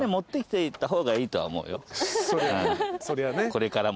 これからも。